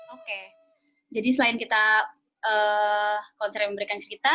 oke jadi selain kita konser yang memberikan cerita